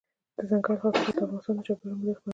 دځنګل حاصلات د افغانستان د چاپیریال د مدیریت لپاره مهم دي.